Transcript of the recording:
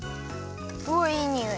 いいにおい。